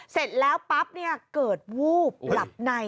เสร็จแล้วปั๊บเกิดวูบหลับใน